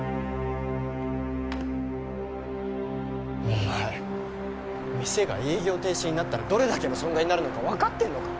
お前店が営業停止になったらどれだけの損害になるのかわかってんのか？